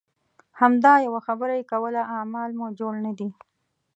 همدا یوه خبره یې کوله اعمال مو جوړ نه دي.